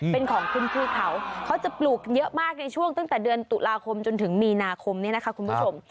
เป็นของคุณพี่เขาเขาจะปลูกเยอะมากในช่วงตั้งแต่เดือนตุลาคมจนถึงมีนาคมเนี่ยนะคะคุณผู้ชม